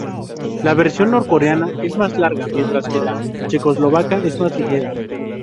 La versión norcoreana es más larga, mientras que la checoslovaca es más ligera.